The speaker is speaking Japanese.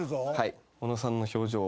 小野さんの表情を。